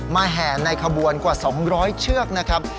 แห่ในขบวนกว่า๒๐๐เชือกนะครับ